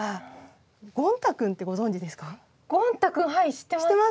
知ってます？